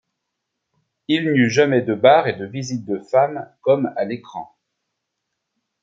Il n'y eut jamais de bar et de visites de femmes comme à l'écran.